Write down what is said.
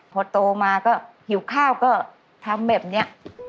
พอโตมาก็หิวข้าวก็ทำแบบนี้